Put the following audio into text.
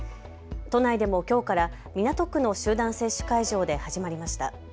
都内でもきょうから港区の集団接種会場で始まりました。